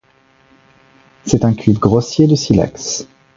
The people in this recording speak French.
C'est un cube grossier de silex.